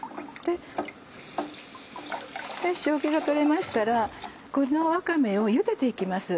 塩気が取れましたらこのわかめをゆでて行きます。